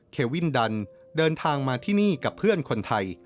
เควินดันเดินทางมาที่นี่กับเพื่อนคนไทย